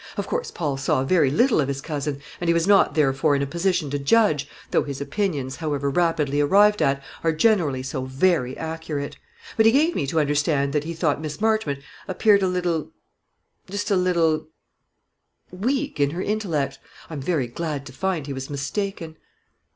Of course Paul saw very little of his cousin, and he was not therefore in a position to judge, though his opinions, however rapidly arrived at, are generally so very accurate; but he gave me to understand that he thought Miss Marchmont appeared a little just a little weak in her intellect. I am very glad to find he was mistaken."